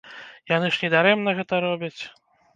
Яны ж не дарэмна гэта робяць.